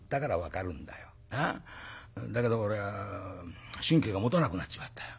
だけど俺は神経がもたなくなっちまったよ。